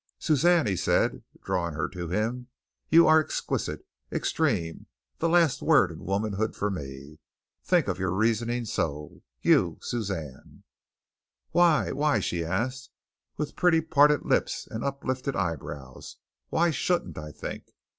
"Suzanne," he said, drawing her to him. "You are exquisite, extreme, the last word in womanhood for me. To think of your reasoning so you, Suzanne." "Why, why," she asked, with pretty parted lips and uplifted eyebrows, "why shouldn't I think?"